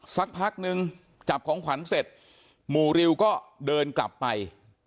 สักพักนึงจับของขวัญเสร็จหมู่ริวก็เดินกลับไป